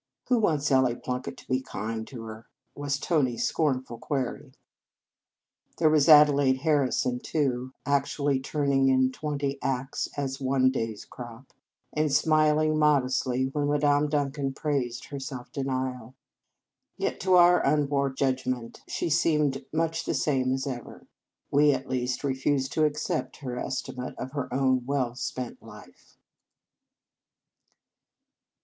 " Who wants Ellie Plunkett to be kind to her ?" was Tony s scornful query. There was Adelaide Harri son, too, actually turning in twenty acts as one day s crop, and smil In Our Convent Days ing modestly when Madame Duncan praised her self denial. Yet, to our un warped judgment, she seemed much the same as ever. We, at least, re fused to accept her estimate of her own well spent life.